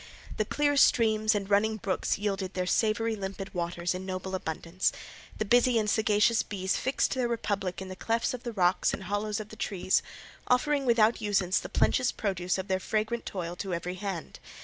The clear streams and running brooks yielded their savoury limpid waters in noble abundance. The busy and sagacious bees fixed their republic in the clefts of the rocks and hollows of the trees, offering without usance the plenteous produce of their fragrant toil to every hand.